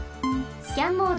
スキャンモード。